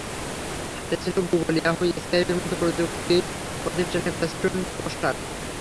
হাতে ছিল Google, Yahoo, স্কাইপের মতো প্রযুক্তি প্রতিষ্ঠানের ফেস্টুন, পোস্টার।